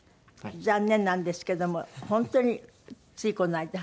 残念なんですけども本当についこの間。